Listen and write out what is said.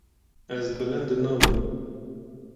Ez bilind nabim.